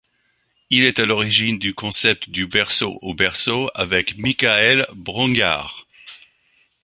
Il est à l'origine du concept Du berceau au berceau avec Michael Braungart.